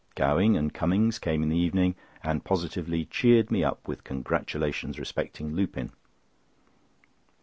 Gowing and Cummings came in the evening, and positively cheered me up with congratulations respecting Lupin.